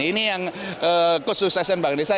ini yang kesuksesan bank desa